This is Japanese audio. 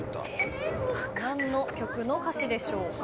何の曲の歌詞でしょうか。